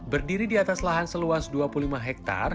berdiri di atas lahan seluas dua puluh lima hektare